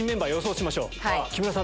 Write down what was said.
木村さん